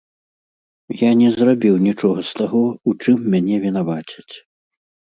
Я не зрабіў нічога з таго, у чым мяне вінавацяць.